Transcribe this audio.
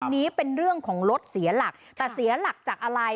อันนี้เป็นเรื่องของรถเสียหลักแต่เสียหลักจากอะไร